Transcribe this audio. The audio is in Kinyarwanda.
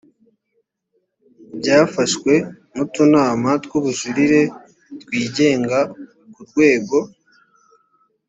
byafashwe n utunama tw ubujurire twigenga ku rwego